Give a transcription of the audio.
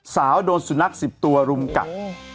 สาวโดนสุนัข๑๐ตัวรุมกัด